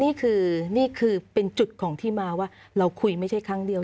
นี่คือนี่คือเป็นจุดของที่มาว่าเราคุยไม่ใช่ครั้งเดียว